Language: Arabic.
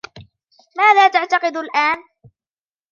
ماذا تعتقد الآن؟